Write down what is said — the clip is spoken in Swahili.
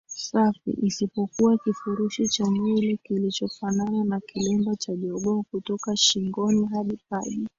safi isipokuwa kifurushi cha nywele kinachofanana na kilemba cha jogoo kutoka shingo hadi paji